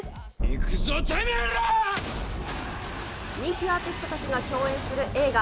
行くぞ、人気アーティストたちが共演する映画、